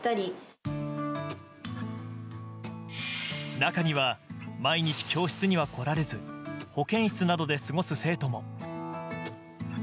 中には、毎日教室には来られず保健室などで過ごす生徒も。